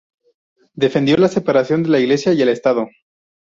Defendió la separación de la Iglesia y el Estado.